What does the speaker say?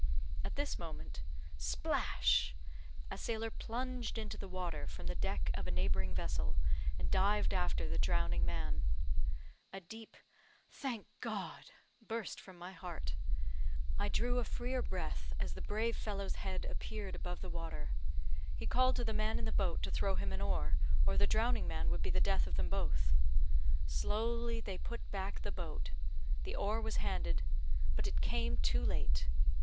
At this moment splash! a sailor plunged into the water from the deck of a neighbouring vessel, and dived after the drowning man. A deep "Thank God!" burst from my heart. I drew a freer breath as the brave fellow's head appeared above the water. He called to the man in the boat to throw him an oar, or the drowning man would be the death of them both. Slowly they put back the boat the oar was handed; but it came too late!